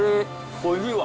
おいしいわ。